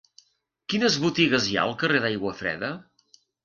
Quines botigues hi ha al carrer d'Aiguafreda?